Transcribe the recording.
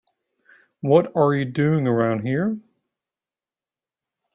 What are you doing around here?